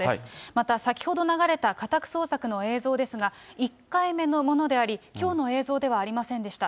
また先ほど流れた家宅捜索の映像ですが、１回目のものであり、きょうの映像ではありませんでした。